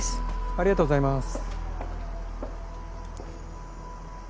ありがとうございます。